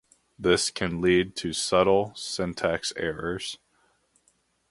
This can lead to subtle syntax errors.